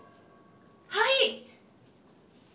はい！